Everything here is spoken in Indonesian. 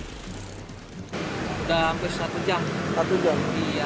sudah hampir satu jam